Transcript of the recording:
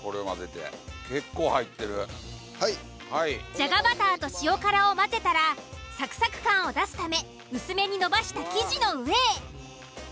じゃがバターと塩辛を混ぜたらサクサク感を出すため薄めにのばした生地の上へ。